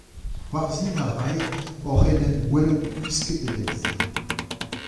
C'hoarzhin a rae oc'h en em welet gwisket evel-se.